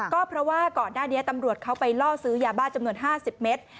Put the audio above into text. ก็เพราะว่าก่อนหน้านี้ตำรวจเขาไปล่อซื้อยาบ้าจำนวน๕๐เมตร